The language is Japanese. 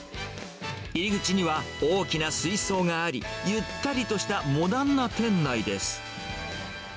入り口には大きな水槽があり、ゆったりとしたモダンな店内です。